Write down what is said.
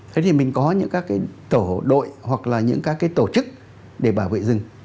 thế thì mình có những các cái tổ đội hoặc là những các cái tổ chức để bảo vệ rừng